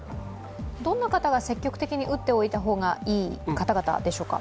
どんな方が積極的に打っておいた方がいい方々ですか？